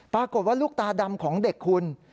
ปรากฏว่าลูกตาดำของเด็กคุณ